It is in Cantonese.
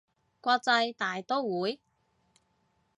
國際大刀會